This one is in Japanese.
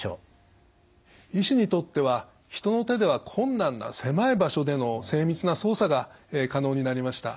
医師にとっては人の手では困難な狭い場所での精密な操作が可能になりました。